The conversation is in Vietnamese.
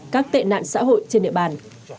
các tệ nạn xã hội trên địa bàn